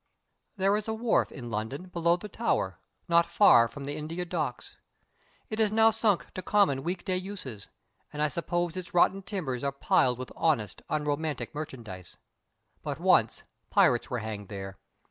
There is a wharf in London below the Tower, not far from the India docks. It has now sunk to common week day uses, and I suppose its rotten timbers are piled with honest, unromantic merchandise. But once pirates were hanged there.